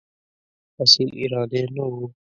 اصیل ایرانی نه وو.